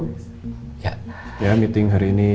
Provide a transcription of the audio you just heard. ya meeting hari ini saya selesaikan hari ini ya